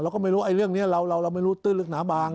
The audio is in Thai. เราก็ไม่รู้เรื่องนี้เราไม่รู้ตื้นลึกหนาบาง